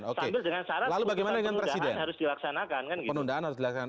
betul sambil dengan syarat penundaan harus dilaksanakan